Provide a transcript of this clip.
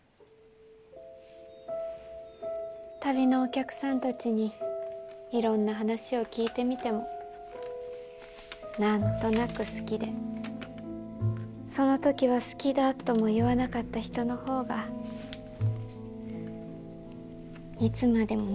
旅のお客さんたちにいろんな話を聞いてみても何となく好きでその時は好きだとも言わなかった人の方がいつまでも懐かしいのね。